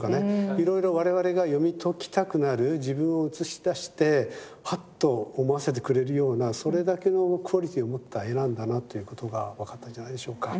いろいろ我々が読み解きたくなる自分を映し出してハッと思わせてくれるようなそれだけのクオリティーを持った絵なんだなっていうことが分かったんじゃないでしょうか。